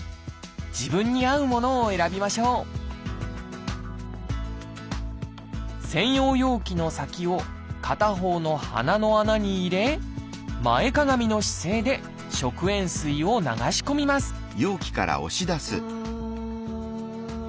自分に合うものを選びましょう専用容器の先を片方の鼻の穴に入れ前かがみの姿勢で食塩水を流し込みますああ。